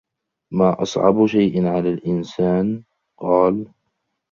مَا أَصْعَبُ شَيْءٍ عَلَى الْإِنْسَانِ ؟ قَالَ